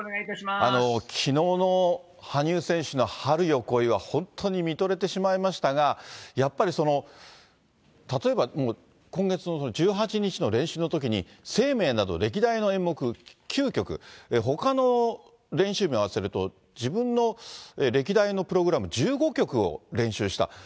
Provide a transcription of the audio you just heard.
きのうの羽生選手の春よ、来いは本当に見とれてしまいましたが、やっぱり例えば今月の１８日の練習のときに、ＳＥＩＭＥＩなど、歴代の演目９曲、ほかの練習日も合わせると自分の歴代のプログラム１５曲を練習した。